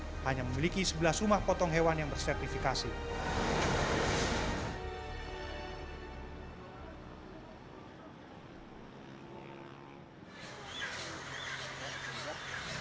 tim cnn indonesia mendapati sebuah desa di kabupaten gersik yang hampir semua penduduknya